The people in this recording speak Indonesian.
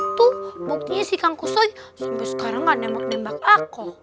cadangan tuh buktinya si kang kusoy sampai sekarang gak nembak nembak aku